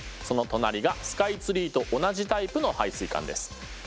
その隣がスカイツリーと同じタイプの排水管です。